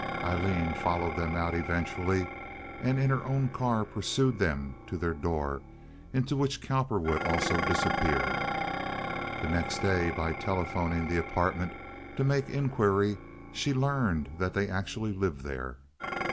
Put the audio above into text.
Aileen followed them out eventually, and in her own car pursued them to their door, into which Cowperwood also disappeared. The next day, by telephoning the apartment to make inquiry, she learned that they actually lived there.